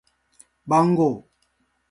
番号